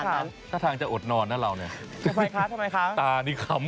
เดี๋ยวกลัวจ้องอย่าทำร้ายกันนะครับ